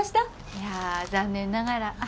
いや残念ながら。